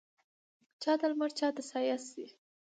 چا ته لمر چا ته سایه شي